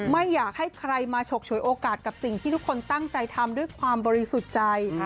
ไม่อยากให้ใครมาฉกฉวยโอกาสกับสิ่งที่ทุกคนตั้งใจทำด้วยความบริสุทธิ์ใจ